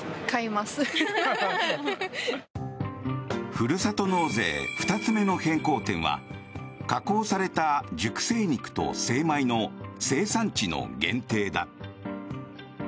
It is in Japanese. ふるさと納税２つ目の変更点は加工された熟成肉と精米の生産地の限定だ。